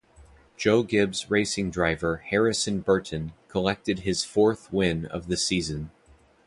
Joe Gibbs Racing driver Harrison Burton collected his fourth win of the season.